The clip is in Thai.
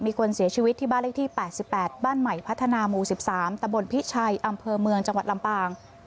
มีคนเสียชีวิตที่บ้านเลขที่๘๘บ้านใหม่พัฒนาหมู่๑๓ตะบนพิชัยอำเภอเมืองจังหวัดลำปาง